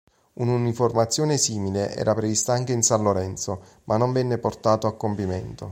Un'uniformazione simile era prevista anche in San Lorenzo, ma non venne portato a compimento.